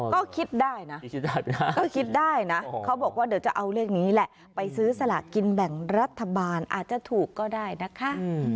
ก็คิดได้นะก็คิดได้นะเขาบอกว่าเดี๋ยวจะเอาเลขนี้แหละไปซื้อสลากกินแบ่งรัฐบาลอาจจะถูกก็ได้นะคะ